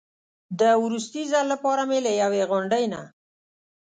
د وروستي ځل لپاره مې له یوې غونډۍ نه.